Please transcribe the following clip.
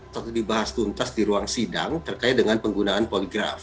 terus dibahas tuntas di ruang sidang terkait dengan penggunaan poligraf